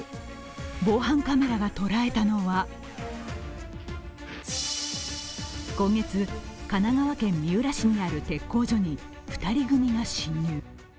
防犯カメラが捉えたのは今月、神奈川県三浦市にある鉄工所に２人組が侵入。